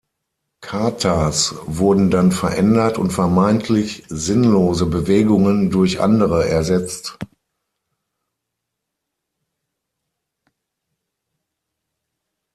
Katas wurden dann verändert und vermeintlich „sinnlose“ Bewegungen durch andere ersetzt.